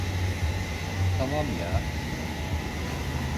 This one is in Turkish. Tamam ya!